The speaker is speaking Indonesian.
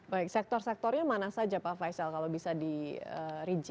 baik sektor sektornya mana saja pak faisal kalau bisa di regist